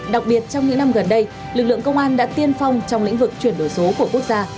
đặc biệt trong những năm gần đây lực lượng công an đã tiên phong trong lĩnh vực chuyển đổi số của quốc gia